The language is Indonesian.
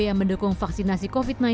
yang mendukung vaksinasi covid sembilan belas